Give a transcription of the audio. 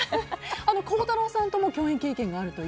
孝太郎さんとも共演経験があると。